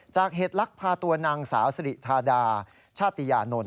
จากเหตุลักษณ์พาตัวนางสาวศรีธาดาชาติยานนท์